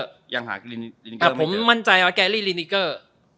แต่ผมมั่นใจว่าแกรรี่ลีนิกเกอร์